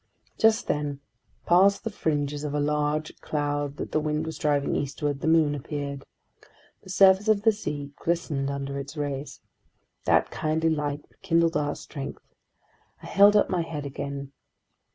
Just then, past the fringes of a large cloud that the wind was driving eastward, the moon appeared. The surface of the sea glistened under its rays. That kindly light rekindled our strength. I held up my head again.